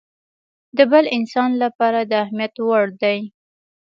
د بل انسان لپاره د اهميت وړ دی.